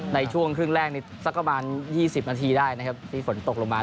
ในช่วงครึ่งแรกนี้สักประมาณ๒๐นาทีได้นะครับที่ฝนตกลงมา